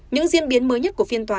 những diễn biến mới nhất của phiên tòa